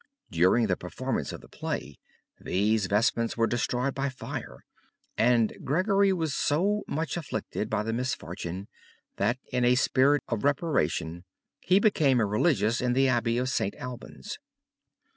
During the performance of the play, these vestments were destroyed by fire and Geogory was so much afflicted by the misfortune that in a spirit of reparation he became a religious in the Abbey of St. Albans.